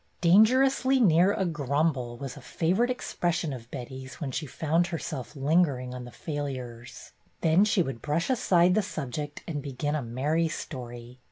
''Dangerously near a grumble!'' was a favorite expression of Betty's when she found herself lingering on the failures. Then she would brush aside the subject and begin a merry story.